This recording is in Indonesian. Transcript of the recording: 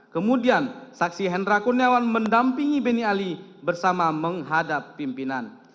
kemudian saksi hendra kurniawan mendampingi beni ali bersama menghadap pimpinan